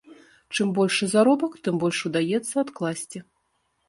Чым большы заробак, тым больш удаецца адкласці.